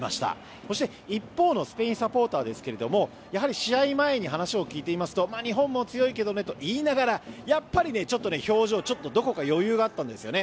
そして一方のスペインサポーターですが試合前に話を聞いてみますと日本も強いけどと言いながらやっぱりちょっと表情はどこか余裕があったんですよね。